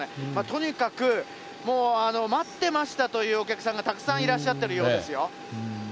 とにかくもう、待ってましたというお客さんがたくさんいらっしゃってるようですよ。